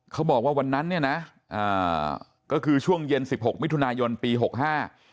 เขาบอกว่าวันนั้นเนี่ยนะอ่าก็คือช่วงเย็นสิบหกมิถุนายนปีหกห้า